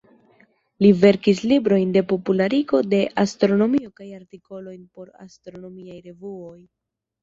Li verkis librojn de popularigo de astronomio kaj artikolojn por astronomiaj revuoj.